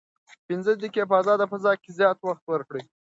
پنځه دقیقې په ازاده فضا کې زیات وخت ورکړئ.